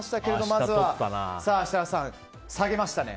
まずは設楽さん、下げましたね。